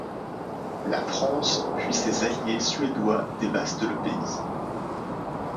La France puis ses alliés suédois dévastent le pays.